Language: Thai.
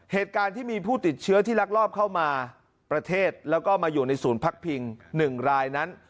เหตุการณ์ที่มีผู้ติดเชื้อที่ลักลอบเข้ามาประเทศแล้วก็มาอยู่ในศูนย์พักพิง๑รายนั้น